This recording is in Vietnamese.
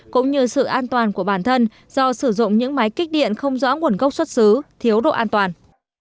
cũng như sự an toàn của bản thân do sử dụng những máy kích điện không rõ nguồn gốc xuất xứ thiếu độ an toàn